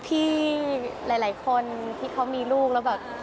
พี่หลายคนที่เขามีลูกแล้วแบบ